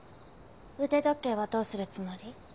腕時計はどうするつもり？